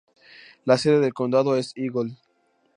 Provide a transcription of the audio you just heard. La sede del condado es Eagle.